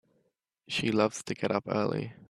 She loves to get up early.